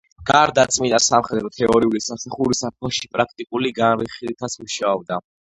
გარდა წმინდა სამხედრო თეორიული სამსახურისა ფოში პრაქტიკული განხრითაც მუშაობდა.